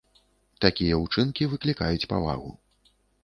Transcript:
Такія ўчынкі выклікаюць павагу.